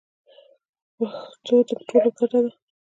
پښتو د ټولو ګډه ده.